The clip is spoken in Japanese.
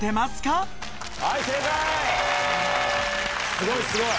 すごいすごい！